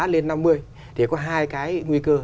lên năm mươi thì có hai cái nguy cơ